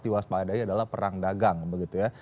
diwaspadai adalah perang dagang begitu ya